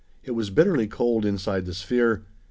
It was bitterly cold inside the sphere.